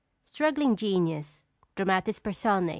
STRUGGLING GENIUS. _Dramatis Personæ.